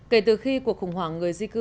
kể từ khi cuộc khủng hoảng người di cư